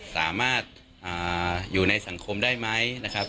สามารถอยู่ในสังคมได้ไหมนะครับ